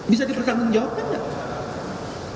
bisa dipertanggung jawabkan tidak